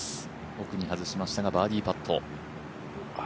奥に外しましたが、バーディーパット。